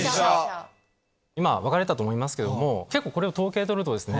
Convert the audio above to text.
今分かれたと思いますけどもこれを統計取るとですね